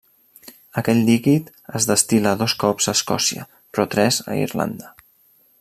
Aquest líquid es destil·la dos cops a Escòcia, però tres a Irlanda.